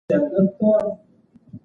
که کړکۍ خلاصې وي نو هوا نه خرابېږي.